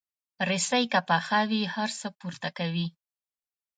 رسۍ که پخه وي، هر څه پورته کوي.